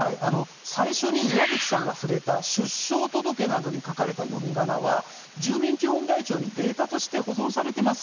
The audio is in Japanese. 最初に岩渕さんが触れた出生届などに書かれた読みがなが住民基本台帳にデータとして保存されています。